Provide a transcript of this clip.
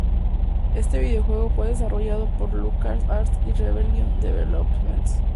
Este videojuego fue desarrollado por LucasArts y Rebellion Developments.